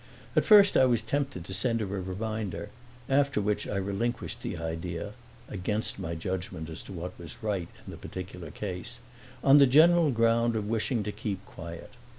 At first I was tempted to send her a reminder, after which I relinquished the idea (against my judgment as to what was right in the particular case), on the general ground of wishing to keep quiet.